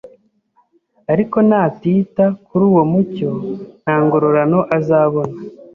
Ariko natita kuri uwo mucyo, ntangororano azabona